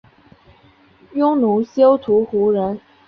匈奴休屠胡人。